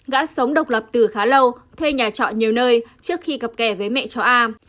gã sống độc lập từ khá lâu thê nhà trọ nhiều nơi trước khi gặp kẻ với mẹ chó a